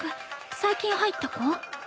最近入った子？